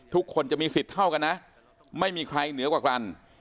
ทุกคนจะมีสิทธิ์เท่ากันนะไม่มีใครเหนือกว่ากัน